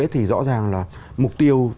thì rõ ràng là mục tiêu